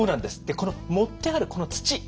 この盛ってあるこの土。